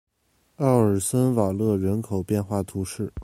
奥尔森瓦勒人口变化图示